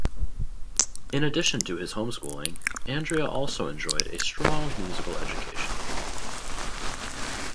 In addition to his homeschooling, Andrea also enjoyed a strong musical education.